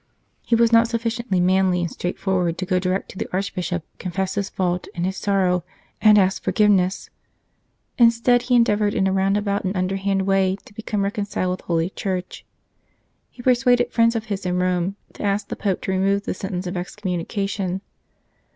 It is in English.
He was not sufficiently manly and straightforward to go direct to the Archbishop, confess his fault and his sorrow, and ask forgiveness. Instead he en deavoured in a roundabout and underhand way to become reconciled with Holy Church. He per suaded friends of his in Rome to ask the Pope to remove the sentence of excommunication.